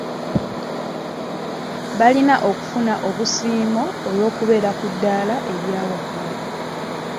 Balina okufuna obusiimo olw'okubeera ku daala erya waggulu.